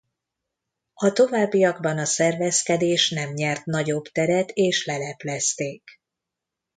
A továbbiakban a szervezkedés nem nyert nagyobb teret és leleplezték.